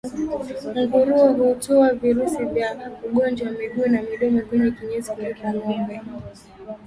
Nguruwe hutoa virusi vingi vya ugonjwa wa miguu na midomo kwenye kinyesi kuliko ngombe